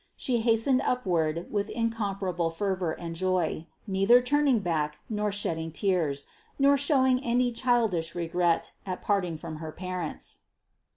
She hastened upward with incomparable fer vor and joy, neither turning back, nor shedding tears, nor showing any childish regret at parting from her parents.